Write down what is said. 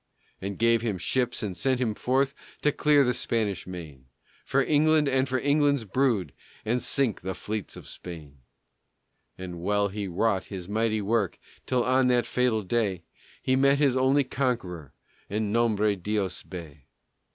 And gave him ships and sent him forth To clear the Spanish main For England and for England's brood, And sink the fleets of Spain. And well he wrought his mighty work, Till on that fatal day, He met his only conqueror, In Nombre Dios Bay.